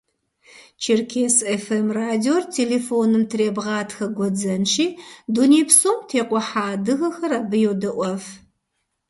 «Черкес ФМ» радиор телефоным требгъатхэ гуэдзэнщи, дуней псом текъухьа адыгэр абы йодэIуэф.